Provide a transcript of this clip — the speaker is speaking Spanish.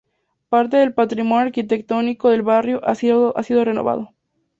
Parte del patrimonio arquitectónico del barrio ha sido renovado.